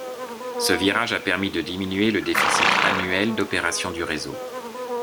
Ce virage a permis de diminuer le déficit annuel d'opérations du réseau.